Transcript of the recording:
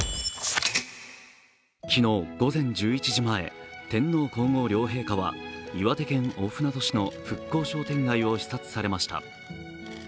昨日午前１１時前、天皇皇后両陛下は岩手県大船渡市の復興商店街を視察されました。